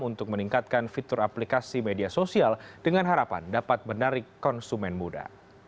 untuk meningkatkan fitur aplikasi media sosial dengan harapan dapat menarik konsumen muda